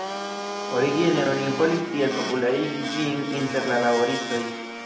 Origine oni volis tiel popularigi ĝin inter la laboristoj.